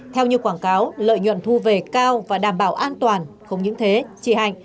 theo như quảng cáo lợi nhuận thu về cao và đảm bảo an toàn không những thế chị hạnh